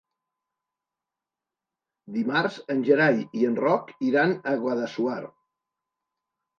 Dimarts en Gerai i en Roc iran a Guadassuar.